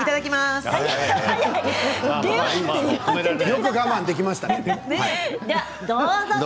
よく我慢できました。